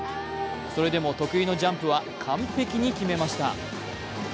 それでも得意のジャンプは完璧に決めました。